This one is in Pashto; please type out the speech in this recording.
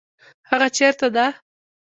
هغه چیرته ده؟